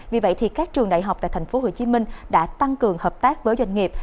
vì vậy các trường đại học tại tp hcm đã tăng cường hợp tác với doanh nghiệp